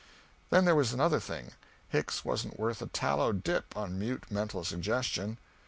Then there was another thing: Hicks wasn't worth a tallow dip on mute mental suggestion.